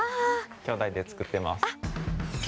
きょうだいで作っています。